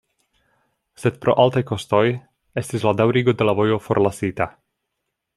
Sed pro altaj kostoj estis la daŭrigo de la vojo forlasita.